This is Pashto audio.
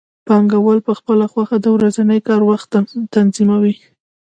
پانګوال په خپله خوښه د ورځني کار وخت تنظیموي